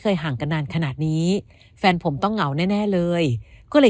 ห่างกันนานขนาดนี้แฟนผมต้องเหงาแน่เลยก็เลย